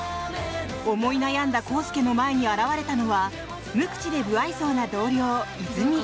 思い悩んだ康介の前に現れたのは無口で不愛想な同僚・和泉。